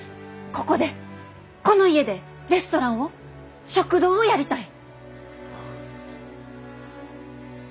ここでこの家でレストランを食堂をやりたい。